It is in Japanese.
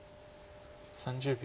３０秒。